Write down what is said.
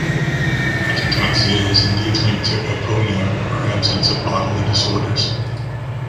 Atataxia is indeed linked to aponia or absence of bodily disorders.